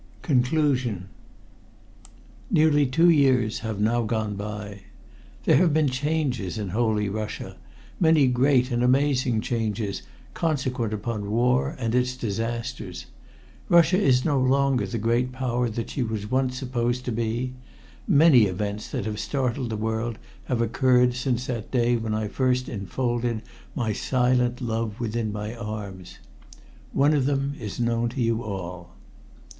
CONCLUSION Nearly two years have now gone by. There have been changes in holy Russia many great and amazing changes consequent upon war and its disasters. Russia is no longer the great power that she once was supposed to be. Many events that have startled the world have occurred since that day when I first enfolded my silent love within my arms. One of them is known to you all.